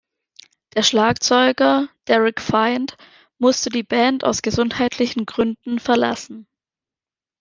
Der Schlagzeuger Derrick Find musste die Band aus gesundheitlichen Gründen verlassen.